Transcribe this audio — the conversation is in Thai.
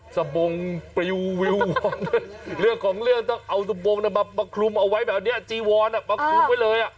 สบงปริวเรื่องของเรื่องต้องเอาตะบงมาคลุมเอาไว้แบบนี้จีวอนมาคลุมไว้เลย